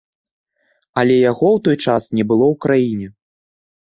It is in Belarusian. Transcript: Але яго ў той час не было ў краіне.